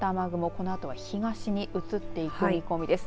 このあとは東に移っていく見込みです。